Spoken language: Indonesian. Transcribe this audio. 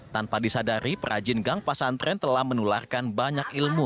tanpa disadari perajin gang pasantren telah menularkan banyak ilmu